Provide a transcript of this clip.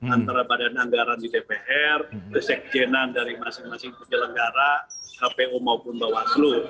antara badan anggaran di dpr resek jenan dari masing masing kejelenggara kpu maupun bawaslu